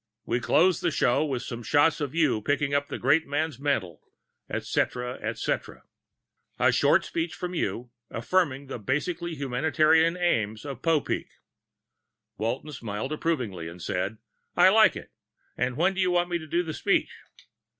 We close the show with some shots of you picking up the great man's mantle, etcetera, etcetera. And a short speech from you affirming the basically humanitarian aims of Popeek." Walton smiled approvingly and said, "I like it. When do you want me to do the speech?"